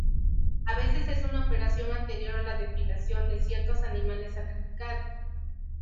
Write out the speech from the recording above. A veces es una operación anterior a la depilación de ciertos animales sacrificados.